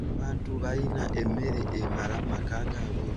Abantu balina emmere ebamala mu maka gaabwe.